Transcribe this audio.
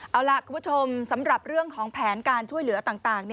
เอาล่ะคุณผู้ชมสำหรับเรื่องของแผนการช่วยเหลือต่าง